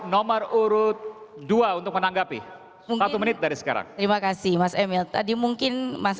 nomor urut dua untuk menanggapi satu menit dari sekarang terima kasih mas emil tadi mungkin mas